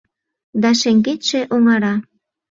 Да шеҥгечше оҥара: